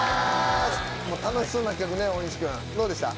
楽しそうな企画大西君どうでした？